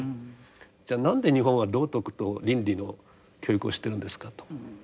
じゃあ何で日本は道徳と倫理の教育をしてるんですかと。